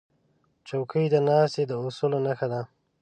چوکۍ د ناستې د اصولو نښه ده.